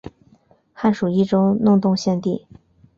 汉属益州弄栋县地。